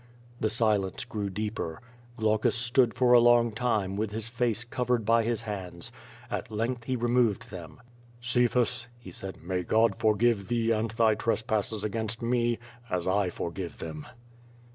The silence grew deeper. Glaucus stood for a long time, with his face covered by his hands. At length he removed them. "Cephas," he said, "may God forgive thee and thy tres passes against me, as I forgive them."